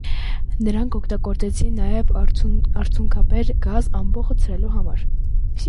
Նրանք օգտագործեցին նաև արցունքաբեր գազ ամբոխը ցրելու համար։